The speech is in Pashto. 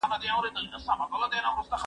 زه به سبا د ښوونځی لپاره امادګي نيسم وم؟!